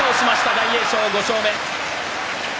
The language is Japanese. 大栄翔、５勝目。